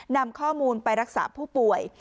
นำข้อมูลไปรักษาผู้ป่วย